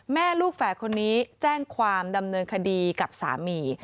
แม่ลูกแฝดคนนี้แจ้งความดำเนินคดีกับสามี